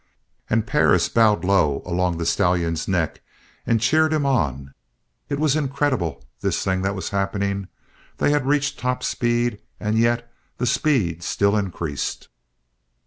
And Perris bowed low along the stallion's neck and cheered him on. It was incredible, this thing that was happening. They had reached top speed, and yet the speed still increased.